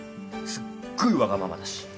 すっごいわがままだし。